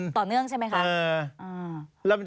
ต่อเนื่องใช่ไหมคะ